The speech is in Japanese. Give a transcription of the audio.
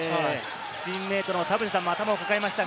チームメートの田臥さんも頭を抱えましたが。